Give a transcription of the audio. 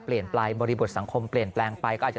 เปลี่ยนไปบริบทสังคมเปลี่ยนแปลงไปก็อาจจะ